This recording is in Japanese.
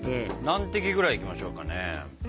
何滴ぐらいいきましょうかね？